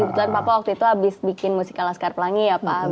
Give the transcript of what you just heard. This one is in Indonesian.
kebetulan papa waktu itu habis bikin musikal laskar pelangi ya pak